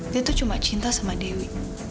dia tuh cuma cinta sama dewi